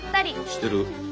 してる。